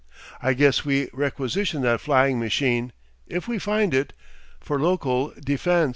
I guess we requisition that flying machine if we find it for local defence."